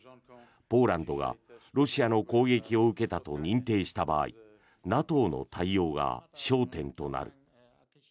ポーランドがロシアの攻撃を受けたと認定した場合ＮＡＴＯの対応が焦点となる。